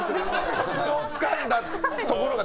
コツをつかんだところが。